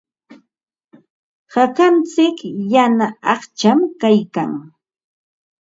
Hakantsik yana aqcham kaykan.